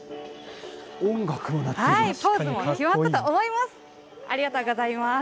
ポーズも決まったと思います。